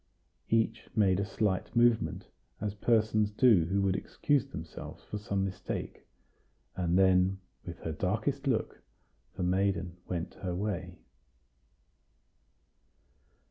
Each made a slight movement, as persons do who would excuse themselves for some mistake; and then, with her darkest look, the maiden went her way.